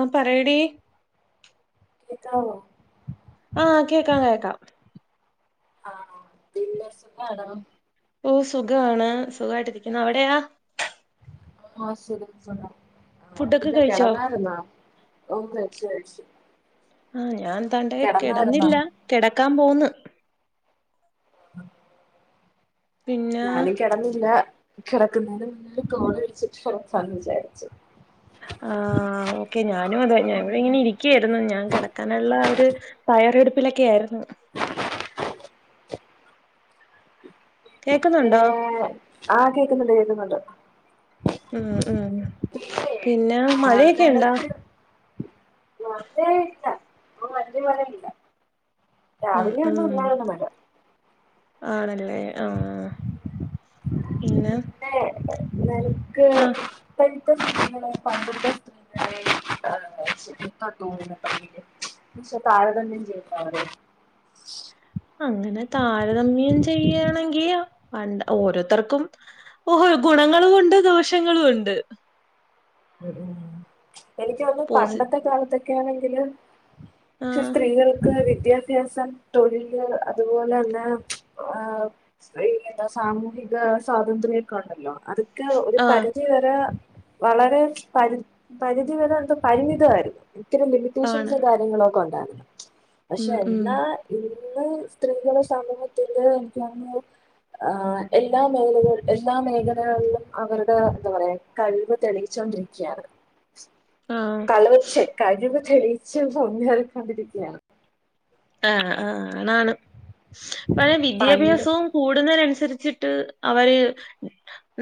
ആ പറയടി കേക്കാവോ ആ കേക്കാം കേക്കാം ആ പിന്നെ സുഖാണോ? ഓ സുഖമാണ് സുഖയിട്ട് രിക്കുന്നു അവിടെയാ ആ സുഖം തന്നെ ആ ഫുഡൊക്കെ പിന്നെ കഴിച്ചോ കിടന്നാരുന്നാ ഓം കഴ്ച്ച് കഴ്ച്ച് ആ ഞാൻന്താണ്ടേ കിടന്നില്ല കിടക്കാൻ പോന്ന് ഉം പിന്നെ ഞാനും കിടന്നില്ല കിടക്കുന്നതിന് മുന്നേ കോള് വിളിച്ചിട്ട് സംസാരിച്ചു ആ ഓക്കെ ഞാനും അതെ ഞാൻ ഇവിടെ ഇങ്ങനെ ഇരിക്കായിരുന്നു ഞാൻ കിടക്കാനുള്ള ഒര് തയ്യാറെടുപ്പിലൊക്കെ ആയിരുന്നു [unintelligible] ഏ കേക്കുന്നുണ്ടോ ആ കേക്കുന്നുണ്ട് കേക്കുന്നുണ്ട് ഉം ഉം പിന്നെ മഴയൊക്കെ ഉണ്ടാ മഴേ ഇല്ല ഇപ്പൊ വല്യ മഴ ഇല്ല ഉം രാവിലെ ഒന്നും ഉം ഇല്ലായിരുന്ന മഴ ആണല്ലേ ആ പിന്നെ പിന്നെ നിനക്ക് ആ ഇപ്പോഴത്തെ [unintelligible] പണ്ടത്തെ [unintelligible] പക്ഷെ താരതമ്യം ചെയ്ദവർ [unintelligible] അങ്ങനെ താരതമ്യം ചെയ്യാണെങ്കില് പണ്ട് ഓരോരുത്തർക്കും ഓഹോ ഗുണങ്ങളുമുണ്ട് ദോഷങ്ങളു ഉണ്ട് ശ് എനിക്കോന്നു പോസി പണ്ടത്തെ കാലത്തൊക്കെയാണെങ്കില് പക്ഷെ ആഹ് സ്ത്രീകൾക്ക് വിദ്യാ ഭൃസം തൊഴില് അതുപോലെ എന്ത ഒ എന്താ സാമൂഹിക സ്വാതന്ത്ര്യോക്കെ ഉണ്ടല്ലോ അത് നമുക്ക് ഒരു ആഹ് പരിധി വരെ വളരെ പരി പരിധി വരെ എന്ത പരിമിതമായിരുന്നു ഒത്തിരി ആണ് ലിമിറ്റേഷൻസും കാര്യങ്ങളും ഒക്കെ ഒണ്ടായിരുന്നു പക്ഷെ ഉം ഉം എന്നാ ഇന്ന് സ്ത്രീകളെ സമൂഹത്തിന്റെ [unintelligible] ആഹ് എല്ലാ മേഖല എല്ലാ മേഖലകളിലും അവരുടെ എന്താ പറയാ കഴിവ് തെളിയിച്ചോണ്ടിരി ക്ക്യൻ ആഹ് കളവ് ചേ കഴിവ് തെളിയിച്ച് മുന്നേറിക്കൊണ്ടിരിക്കുകയാണ് ആഹ് ആഹ് ആണാണ് ഇപ്പഴ് പണ്ട് വിദ്യാഭ്യാസവും കൂടുന്നതിന് അനുസരിച്ചിട്ട് അവര്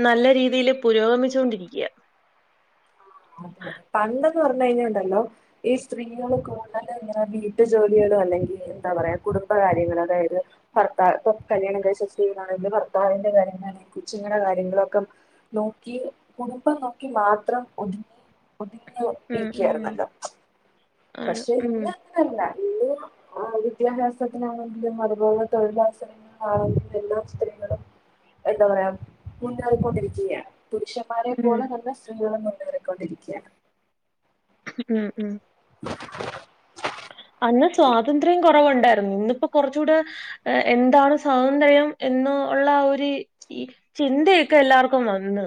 നല്ല രീതിയിൽ പുരോഗമിച്ചോണ്ടിരിക്കയാ പണ്ടന്ന് പറഞ്ഞ് കഴിഞ്ഞാലുണ്ടല്ലോ ഈ സ്ത്രീകൾ കൂടുതൽ ഇങ്ങനെ വീട്ടു ജോലികളും അല്ലെങ്കിൽ എന്താ പറയാ കുടുംബ കാര്യങ്ങൾ അതായത് ഭർത്താ ഇപ്പൊ കല്യാണം കഴിച്ചാ സ്ത്രീകളാണെകി ഭർത്താവിന്റെ കാര്യങ്ങളാണെങ്കി കൊച്ചിങ്ങടെ കാര്യങ്ങളൊക്കെ നോക്കി കുടുംബം നോക്കി മാത്രം ഒതുങ്ങി ഒതുങ്ങി ഉം ഉം ഇരിക്കയായിരുന്നല്ലോ ആണ് പക്ഷെ ഉം ഇന്ന് അങ്ങനല്ല ഇന്ന് ആ വിദ്യാഭ്യാസത്തിനാണെങ്കിലും അതുപോലെ തൊഴിലവസരങ്ങളാണെങ്കിലും എല്ലാ സ്ത്രികളും എന്താ പറയാ മുന്നേറിക്കൊണ്ടിരിക്കുകയാണ് പുരുഷം പുരുഷൻമാരെ ഉം പോലെ തന്നെ സ്ത്രീകളും മുന്നേറിക്കൊണ്ടിരിക്കയാണ് ഉം ഉം അന്ന് സ്വാതന്ത്ര്യം കൊറവ്ണ്ടായിരുന്നു ഇന്നിപ്പോ കൊറച്ചുടെ എന്താണ് സ്വാതന്ത്ര്യം എന്ന് ഉള്ള ഒര് ഈ ചിന്തയൊക്കെ എല്ലാർക്കും വന്ന്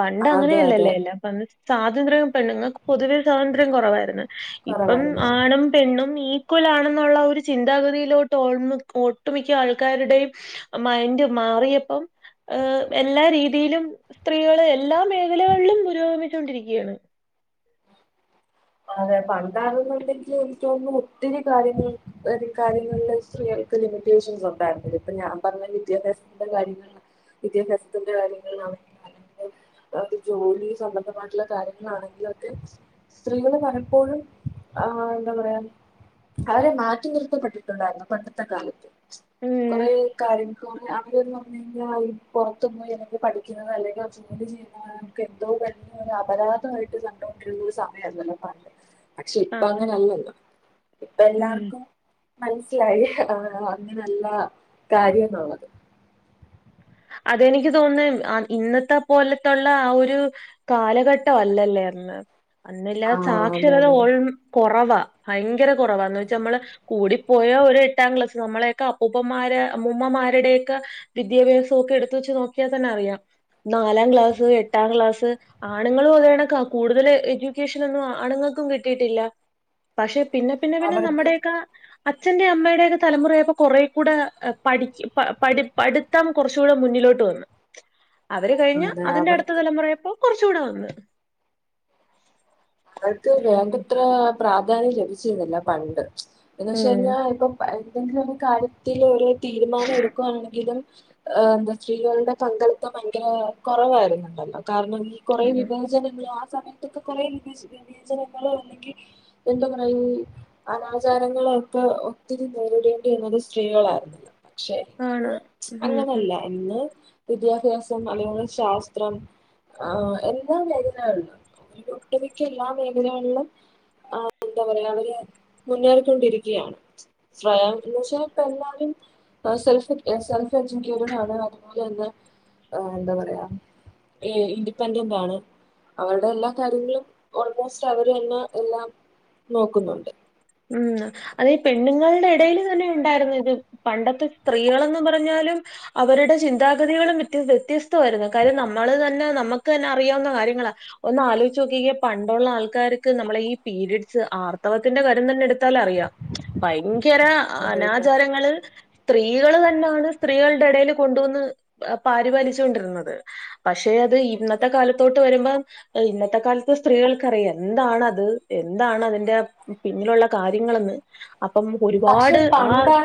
പണ്ട് അതെ അതെ അങ്ങനെയല്ലല്ലേ അല്ല അ സ്വാതന്ത്ര്യം പെണ്ണുങ്ങൾക്ക് പൊതുവേ സ്വാതന്ത്ര്യം കൊറവായിരുന്നു ഇപ്പം കുറവായിരുന്നു ആണും പെണ്ണും ഈക്വൽ ആണെന്നുള്ള ഒരു ചിന്താഗതിയിലോട്ട് ഓമ് ഒട്ടുമിക്ക ആൾക്കാരുടെയും മൈൻഡ് മാറിയപ്പം ഏഹ് എല്ലാ രീതിയിലും സ്ത്രീകള് എല്ലാ മേഖലകളിലും പുരോഗമിച്ചുകൊണ്ടിരിക്കയാണ്. അതെ പണ്ടാണെന്നുണ്ടെങ്കിൽ എനിക്ക് തോന്നുന്നു ഒത്തിരി കാര്യങ്ങൾ ഒരു കാര്യങ്ങളില് സ്ത്രീകൾക്ക് ലിമിറ്റേഷൻസ് ഉണ്ടായിരുന്നില്ല ഇപ്പൊ ഞാൻ പറഞ്ഞ വിദ്യാഭ്യാസത്തിന്റെ കാര്യങ്ങൾ വിദ്യാഭ്യാസത്തിന്റെ കാര്യങ്ങൾ ന [unintelligible] ആ ഒരുജോലി സംബന്ധമായിട്ടുള്ള കാര്യങ്ങളാണെങ്കിലൊക്കെ സ്ത്രീകള് പലപ്പോഴും ആ എന്താ പറയാ അവരെ മാറ്റി നിർത്തപ്പെട്ടിട്ടുണ്ടായിരുന്നു പണ്ടത്തെ കാലത്ത് ഉം കോറെ കാര്യങ്ങൾ അവരന്ന് പറഞ്ഞ് കഴിഞ്ഞാൽ ഈ പൊറത്തു പോയി അല്ലെങ്കിൽ പഠിക്കുന്നത് അല്ലെങ്കിൽ ജോലി ചെയ്യുന്നത് നമുക്ക് എന്തോ വലിയ ഒരു അപരാധമായിട്ട് കണ്ടൊണ്ടിരുന്ന ഒരു സം [unintelligible] പക്ഷെ ഇപ്പം ആഹ് അങ്ങനല്ലല്ലോ ഇപ്പം ഉം എല്ലാർക്കും മനസ്സിലായി ആഹ് അങ്ങനല്ല കാര്യമെന്നുള്ളത് അതെനിക്ക് തോന്നുന്നു ഇന്നത്തെ പോലത്തുള്ള ആ ഒരു കാലഘട്ടം അല്ലല്ലേ അന്ന് അന്നല്ലാ ആ അതെ സാക്ഷരത അതെ ഓൾ കൊറവാ ഭയങ്കര കൊറവാ അന്ന് വെച്ചാ നമ്മള് കൂടിപ്പോയാ ഒരു എട്ടാം ക്ലാസ്സ് നമ്മളെയൊക്കെ അപ്പൂപ്പമാരെ അമ്മൂമ്മമാരുടെയൊക്കെ വിദ്യാഭ്യാസം ഒക്കെ എടുത്ത് വെച്ച് നോക്കിയാൽ തന്നെ അറിയാം നാലാം ക്ലാസ് എട്ടാം ക്ലാസ് ആണുങ്ങളും അതേ കണക്കാ കൂടുതൽ എഡ്യൂക്കേഷൻ ഒന്നും ആണുങ്ങൾക്കും കിട്ടിയിട്ടില്ല പക്ഷെ പിന്നെ പിന്നെ പിന്നെ അവർക്ക് നമ്മുടെയൊക്കെ അച്ഛന്റെ അമ്മയുടെക്കെ തലമുറയപ്പോ കൊറേ കൂടെ പഠിചി പ പഠി പഠിത്തം. കൊർച്ചൂടെ മുന്നിലോട്ട് വന്നു അവര് കഴിഞ്ഞ അതെ അവർക്ക് അതിന്റെട്ത്ത തലമുറയപ്പോ കൊർച്ചുകൂടെ വന്ന. അവര്ക്ക് ഉം വേണ്ടത്ര പ്രാധാന്യം ലഭിച്ചിരുന്നില്ല പണ്ട് എന്ന് വച്ച ഉം കഴിഞ്ഞാ ഇപ്പ പ ന്തെങ്കിലു ഒരു കാര്യത്തിലൊരു തീരുമാനം എടുക്കുവാണെങ്കിലും. ഏഹ് ന്ത സ്ത്രീകള്ടെ പങ്കളിത്തം ഭയങ്കര കൊറവായിരുന്നുണ്ടല്ലോ കാരണം ഈ. കൊറേ ഉം വിവേചനങ്ങളോ ആ സമയത്തൊക്കെ കൊറേ വിവജ് വിവേചനങ്ങളോ അല്ലെങ്കി. എന്ത പറയൂ. അനാചാരങ്ങളൊക്കെ ഒത്തിരി നേരിടേണ്ടി വന്നത് സ്ത്രീകളായിരുന്നില്ല. പക്ഷെ ആണ് ന്ന് ഉം ഉം അങ്ങനല്ല. ഇന്ന് വിദ്യാഭ്യാസം അല്ലെങ്കിൽ ശാസ്ത്രം. ആ എല്ലാ മേഖലകൾലും [unintelligible] ട്ടറി. ക്കെല്ലാ മേഖലകൾലും ആ എന്താ പറയാ അവര് മുന്നേറിക്കൊണ്ടിരിക്ക്യയാണ്. ശ്രയ ന്ന് വെച്ച പ്പല്ലാരും. ആ സെൽഫ് എ സെൽഫെജുകെറ്റടാണ് അതുപോലെ തന്ന അ എന്താ പറയാ. ഈ ഇൻഡിപെൻഡൻ്റാണ് അവര്ടെ എല്ലാ കാര്യങ്ങളും. ഓൾമോസ്റ്റ് അവര്ന്നെ എല്ലാം നോക്കുന്നുണ്ട്. ഉം അതി പെണ്ണ്ങ്ങൾടെ എടയില് തന്നെ ഉണ്ടായിരുന്നു ഇത്. പണ്ടത്തെ സ്ത്രീകളെന്നും പറഞ്ഞാലും അവര്ടെ ചിന്താഗതികളും വത്യ വ്യത്യസ് ത്തവായ്ര്ന്നു കാര്യം നമ്മള് തന്നെ നമ്മക്ക് തന്നെ അറിയാവുന്ന കാര്യങ്ങളാ. ഒന്നാലൊയ്ച്ചോക്കീ പണ്ടുള്ള ആൾക്കാര്ക്ക് നമ്മളെ ഈ പീരിഡ്സ് ആർത്തവത്തിന്റെ കാര്യ രം തന്നെ എടുത്താലറിയാ ഭയങ്കര അനാചാരങ്ങള്. സ്ത്രീകള് തന്നാണ് സ്ത്രീകൾടെടെല് കൊണ്ടുവന്ന് അ പാരിപാലിച്ചു കൊണ്ടിര്ന്നത്. പക്ഷെ അത് ഇന്നത്തെ കാലത്തോട്ട് വരുമ്പം. എ ഇന്നത്തെ കാലത്ത് സ്ത്രീകൾക്കറിയാ എന്താണത് എന്താണതിൻ്റാ. പിന്നിലുള്ള കാര്യങ്ങളന്ന് അപ്പം പക്ഷെ ഒരുപാട് ആ. പണ്ടാ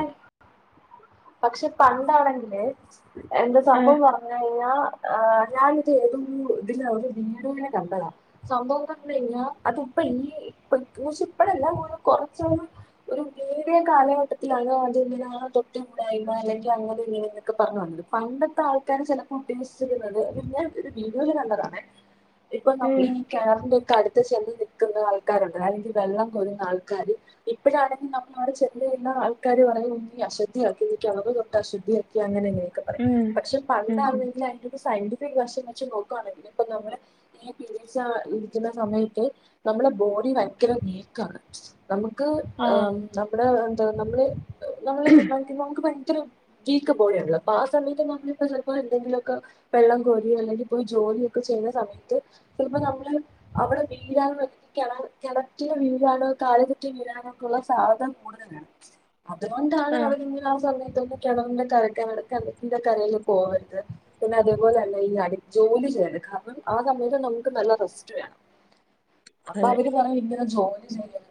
പക്ഷെ പണ്ടാണെങ്കില്. എന്റെ ആ സംഭവം പറഞ്ഞയ്ഞാ ഏഹ് ഞാനിത് ഏതും പൂ തിലവ്ടെ [unintelligible] നൂനെ കണ്ടതാ. സംഭവം പർഞയ്ഞ്ഞാ അതുപ്പ ഈ ഇപ്പ കൊർച്ച് പ്പളല്ലാ കൊറച്ചോന്ന്. ഒരു മീഡിയ കാലഘട്ടത്തിലാണ് അ [unintelligible] ആ തൊ ട്ട് ണ്ടായി മാലഞ്ചു അങ്ങടു ഇങ്ങനെന്നൊക്കെ പർഞ്ഞു വന്നത് പണ്ടത്താൾക്കാര് ചെല കുട്ടി മിസ് ച്ച് ത് ന്നത് ഞാ ഒരു വീഡിയോല് കണ്ടതാണെ ഇപ്പ നമ് ഉം ഈ. കെണറിന്റെ ഒക്കെ അടുത്ത് ചെന്ന് നിക്കുന്ന ആൾക്കാരുണ്ട് അല്ലെങ്കിൽ വെള്ളം കൊരുന്ന ആൾക്കാര്. ഇപ്പഴാണെങ്കി നമ്മള് അവിടെ ചെന്നിരുന്ന ആൾക്കാര് പറയും ഇ അശു ദ്ധിയാക്കിയിരിക്ക്യ [unintelligible] തൊട്ട് അശുദ്ധിയാക്കി അങ്ങനെന്നെ ഒക്ക പറയിം ഉം പക്ഷെ ഉം ഉം പണ്ടാണെങ്കില് അയ്ൻ്റൊക്കെ സൈഡ്. ര് വശം വെച്ച് നോക്കുവാണെങ്കില് പ്പ നമ്മളെ. ഏ പിര്യേഡ്സാ ഇരിക്ക്യുന്ന സമയത്ത് നമ്മളെ ബോഡി ഭയങ്കര വീക്കാണ്. നമ്മക്ക് ഏ ആഹ് നമ്മട എന്താ നമ്മള്. ഭങ്കി നമുക്ക് ഭയങ്കര വീക്ക് ബോഡ്യാണല്ലോ അപ്പാ സമയത്ത് [unintelligible] ചെലപ്പോ എന്തെങ്കിലൊക്ക. വെള്ളം കോരി അല്ലെങ്കി പോയി ജോലിയൊക്കെ ചെയ്യുന്ന സമയത്ത് ചെൽപ്പ നമ്മള്. അവര് വീഴാനോന്ന കെണ കെണറ്റില് വീഴാണ് കാല് തെറ്റി വീഴാനോ ഒക്കള്ള സാധ്യത കൂടു തന്നെ. അതുകൊണ്ടാണ് ആഹ് അവരിങ്ങനെ ആ സമയത്തൊക്കെ കെണറിന്റെ കരക്കനടക്ക കെണറ്റിൻ്റെ കരയിൽ പോവര്ത്. പിന്ന അതേപോലന്ന ഈ അടി ജോലി ചെയ്യണ ക. അ ആ സമയത്ത് നമുക്ക് നല്ല റെസ്റ്റ് വേണം അതെ അപ്പവര് പറയും ഇങ്ങനെ ജോലി ചെയ്യ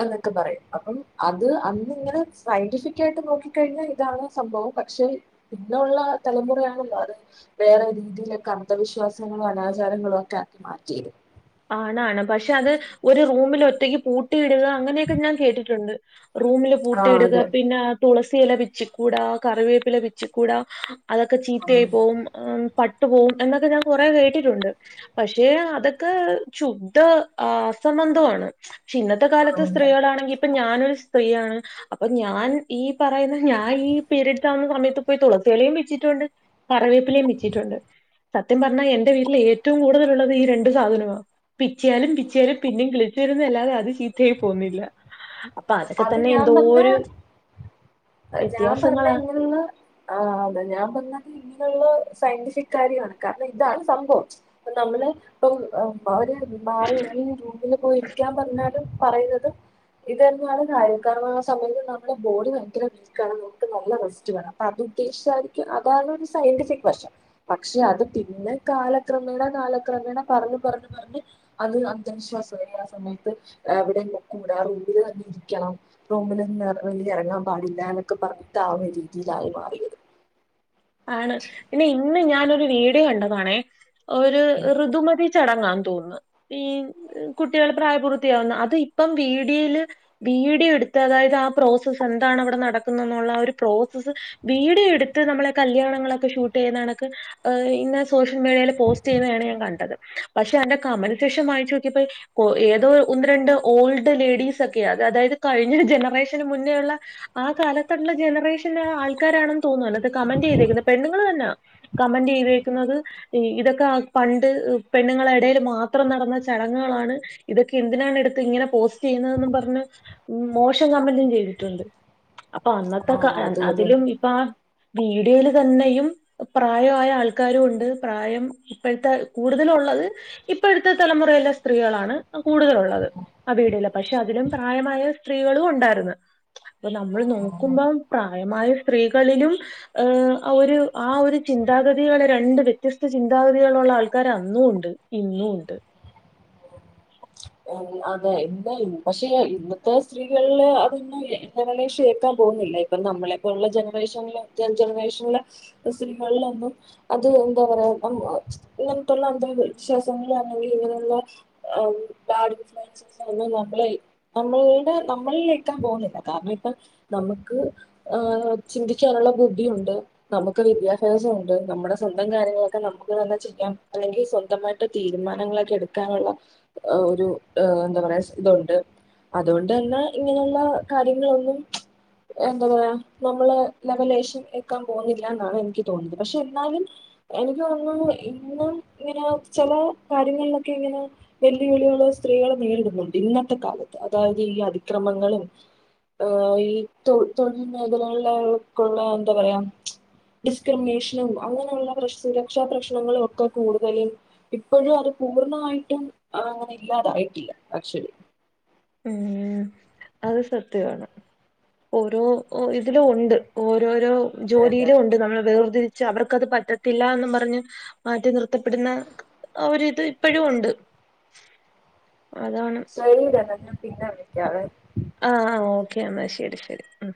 അന്നൊക്കെ പറയും അപ്പം അത് അന്നിങ്ങനെ സയന്റിഫിക്കായി ട്ട് നോക്കിക്കഴിഞ്ഞ ഇതാണ് സംഭവം പക്ഷെ പിന്നുള്ള തലമുറയാണല്ലോ അത്. വേറെ രീതിയിലൊക്കെ അന്ധവിശ്വാസങ്ങളും അനാചാരങ്ങളും ഒക്കെ ആക്കി മാറ്റിയത്. ആണാണ് പക്ഷെ അത് ഒരു റൂമിലൊറ്റക്ക് പൂട്ടിയിട്ക അങ്ങനെയൊക്കെ ഞാൻ കേട്ടിട്ടുണ്ട്. റൂമില് ആ പൂട്ടിയിടുക അതെ പിന്ന തുളസിയെല പിച്ചിക്കൂടാ കറിവേപ്പില പിച്ചിക്കൂടാ. അതൊക്കെ ഉം. ചീത്തയയി പോവും ഏം പട്ടു പോവും എന്നൊക്കെ ഞാ കൊറേ കേട്ടിട്ടുണ്ട് പക്ഷേ അതൊ ക്ക് ശുട് അസംബന്ധമാണ് പക്ഷേ ഇന്നത്തെ കാലത്ത് ഉം. സ്ത്രീകളാണെങ്കിൽ ഇപ്പൊ ഞാനൊരു സ്ത്രീയാണ് അപ്പൊ ഞാൻ ഈ പറയുന്ന ഞാൻ ഈ പീരീഡ്സ് ആവുന്ന സമയത്ത് പോയി തുളസിളയലയും പിച്ചിയിട്ടുണ്ട് കറിവേപ്പിലേ പിച്ചിയിട്ടുണ്ട് സത്യം പറഞ്ഞാൽ എന്റെ വീട്ടിൽ ഏറ്റവും കൂടുതലുള്ളത് ഈ രണ്ട്- രണ്ട് സാധന പിച്ചയാലും പിച്ചയാലും പിന്നെയും കിളിച്ചു വരുന്ന അല്ലാതെ അത് ചീത്തയായി പോകുന്നില്ല അപ്പൊ അതൊക്കെ അത് തന്നെ ഞാൻ എന്തോ പറഞ്ഞ ഒരു ഞാൻ പറഞ്ഞ വ്യത്യാസങ്ങളാ ഇങ്ങനെയുള്ള ആഹ് അതെ ഞാൻ പറഞ്ഞത് ഇങ്ങനെയുള്ള സയന്റിഫിക് കാര്യമാണ് കാരണം ഇതാണ് സംഭവം ഇപ്പം നമ്മള് ഇപ്പം [unintelligible] മാറി ഏതെലും റൂമില് പോയി ഇരിക്കാൻ പറഞ്ഞാലും പറയുന്നത് ഇതെന്നാണ് അയേക്കാവുന്ന സമയത്ത് നമ്മുടെ ബോഡി ഭയങ്കര വീ- ക്കാണ് നമുക്ക് നല്ല റെസ്റ്റ് വേണം അപ്പ അത് ഉദ്ദേശിച്ചായിരിക്കും അതാണ് ഒരു സയന്റിഫിക് വശം പക്ഷെ അത് പിന്നെ കാല ക്രമേണ കാല ക്രമേണ പറഞ്ഞ് പറഞ്ഞ് പറഞ്ഞ് അത് അന്ധവിശ്വാസമല്ല ആ സമയത്ത്, എവിടെയും കൊക്കും കൂടെ ആ റൂം തന്നെ. ക്കണം റൂമിൽ നിന്ന് ഇറങ്ങാൻ പാടില്ല എന്നൊക്കെ പറഞ്ഞിട്ട് ആ ഒരു രീതിയിലായി മാറിയത് ആണ് പിന്നെ ഇന്ന് ഞാൻ ഒരു വീഡിയോ കണ്ടതണേ ഒരു ഋതുമതി ചടങ്ങാൻ തോന്നുന്നു പി കുട്ടികൾ പ്രായപൂർത്തിയാവുന്ന അത് ഇപ്പം വീഡിയയിൽ വീഡിയോ എടുത്ത് അതായത് ആ പ്രോസസ്സ് എന്താണ് ഇവിടെ നടക്കുന്ന എന്നുള്ള ആ ഒരു പ്രോസസ്സ് വീഡിയോ എടുത്ത് നമ്മളെ കല്യാണങ്ങളൊക്കെ ഷൂട്ട് ചെയ്യുന്ന കണക്ക് ഇന്ന സോഷൽ മീഡിയയിൽ പോസ്റ്റ് ചെയ്യുന്നയാണ് ഞാൻ കണ്ടത് പക്ഷെ എന്റെ കമന്റ് സെക്ഷൻ വായിച്ച് നോക്കിയപ്പോ ഏതോ ഒന്ന് രണ്ട് ഓൾഡ് ലേഡീസ് ഒക്കെയാ അതായത് കഴിഞ്ഞ ജനറേഷന് മുന്നേയുള്ള ആ കാലത്തുള്ള ജനറേഷന് ആൾക്കാരാണെന്ന് തോന്നുന്നു അതിനകത്ത് കമന്റ് ചെയ്തെക്കുന്ന പെണ്ണുങ്ങൾ തന്നാ കമന്റ് ചെയ്തേക്കുന്നത് ഇതൊക്കെ പണ്ട് പെണ്ണുങ്ങളുടെ ഇടയിൽ മാത്രം നടന്ന ചടങ്ങുകളാണ് ഇതൊക്കെ എന്തിനാണ് എടുത്ത് ഇങ്ങനെ പോസ്റ്റ് ചെയ്യുന്നതെന്നും പറഞ്ഞ് മോശം കമന്റും ചെയ്തിട്ടുണ്ട് അപ്പൊ അന്നത്തെ ആ കാ അത് അത് അതിലും ഇപ്പൊ ആ വീഡിയോയിൽ തന്നെയും പ്രായായ ആൾക്കാരും ഉണ്ട് പ്രായം ഇപ്പോഴത്തെ കൂടുതല് ഉള്ളത് ഇപ്പോഴത്തെ തലമുറയിലെ സ്ത്രീകളാണ് കൂടുതലുള്ളത് ആ വീഡിയോയില് പക്ഷെ അതിലും പ്രായമായ സ്ത്രീകളും ഉണ്ടായിരുന്നു ഇപ്പൊ നമ്മൾ ആ നോക്കുമ്പോ പ്രായമായ സ്ത്രീകളിലും ഏഹ് ഒരു ആ ഒരു ചിന്താഗതികള് രണ്ട് വ്യത്യസ്ത ചിന്താഗതികളുള്ള ആൾക്കാര് അന്നും ഉണ്ട് ഇന്നു ഉണ്ട് അതെ എന്ത പക്ഷേ ഇന്നത്തെ സ്ത്രീകളില് അതൊന്നും ലവലേഷം ഏക്കാൻ പോകുന്നില്ല ഇപ്പം നമ്മളെ പോലുള്ള ജനറേഷനൽ ജനറേഷനിലെ സ്ത്രീകളിലൊന്നും അത് എന്താ പറയാ നമു ഇങ്ങനെത്തുള്ള അന്ധവിശ്വാസങ്ങൾ അങ്ങനെ ഇങ്ങനെയുള്ള [unintelligible] ഇതൊന്നും നമ്മളിൽ നമ്മട നമ്മളിൽ നിക്കാൻ പോകുന്നില്ല കാരണം ഇപ്പ നമുക്ക് ആഹ് ചിന്തിക്കാനുള്ള ബുദ്ധിയുണ്ട് നമുക്ക് വിദ്യാഭ്യാസമുണ്ട് നമ്മുടെ സ്വന്തം കാര്യങ്ങളൊക്കെ നമുക്ക് തന്നെ ചെയ്യാം അല്ലെങ്കിൽ സ്വന്തമായി യിട്ട് തീരുമാനങ്ങളൊക്കെ എടുക്കാനുള്ള ഓഹ് ഒരു ഏഹ് എന്താ പറയാ ഇതുണ്ട് അതുകൊണ്ട് തന്നെ ഇങ്ങനെയുള്ള കാര്യങ്ങളൊന്നും എന്താ പറ നമ്മള് ലവലേശം ഏ ക്കാൻ പോകുന്നില്ല എന്നാണ് എനിക്ക് തോന്നുന്നത് പക്ഷെ എന്നാലും എനിക്ക് തോന്നുന്നു ഇന്നും ഇങ്ങനെ ചില കാര്യങ്ങളിലൊക്കെ ഇങ്ങനെ വെല്ലുവിളികൾ സ്ത്രീകള് നേരിടുന്നുണ്ട് ഇന്നത്തെ കാലത്ത് അതായത് ഈ അതിക്രമങ്ങളും അഹ് തൊഴിൽ മേഖലകളേക്കുള്ള എന്താ പറയാ ഡിസ്ക്രിമിനേഷനും അങ്ങനെയുള്ള പ്രശ് സുരക്ഷാ പ്രശ്നങ്ങളും ഒക്കെ കൂടുതലും ഇപ്പോഴും അത് പൂർണ്ണമായിട്ടും അങ്ങനെ ഇല്ലാതായിട്ടില്ല ആച്വലി ഉം അത് സത്യവാണ് ഓരോ ഇതിലും ഉണ്ട് ഓരോരോ അതെ അതെ ജോലിയിലും ഉണ്ട് നമ്മൾ വേർതിരി പക്ഷ അവർക്കത് പറ്റത്തില്ല എന്ന് പറഞ്ഞ് മാറ്റി നിർത്തപ്പെടുന്ന ആ ഒരിത് ഇപ്പോഴും ഉണ്ട് അതാണ് ടൈമിംഗ് തിർന്ന് ഞാൻ പിന്നെ വിളിക്കവെ. ആഹ് ആഹ് ഓക്കെ എന്നാ ശരി ശരി ഉം